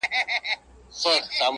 د غم شپيلۍ راپسي مه ږغـوه.